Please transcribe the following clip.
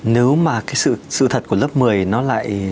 nếu mà cái sự thật của lớp một mươi nó lại